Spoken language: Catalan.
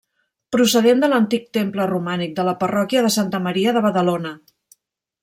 Procedent de l'antic temple romànic de la parròquia de Santa Maria de Badalona.